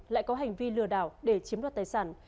lại có hành vi lừa đảo để chiếm đoạt tài sản